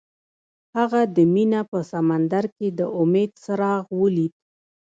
هغه د مینه په سمندر کې د امید څراغ ولید.